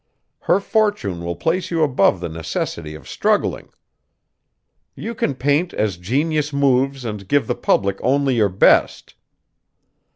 Her fortune will place you above the necessity of struggling. You can paint as genius moves and give the public only your best.